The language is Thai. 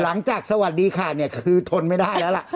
หลังจากสวัสดีค่ะเนี่ยคือทนไม่ได้แล้วล่ะ